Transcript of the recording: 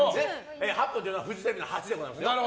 ８分というのはフジテレビの８でございます。